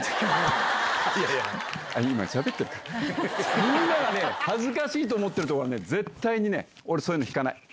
みんながね恥ずかしいと思ってるところは絶対にね俺そういうの引かない。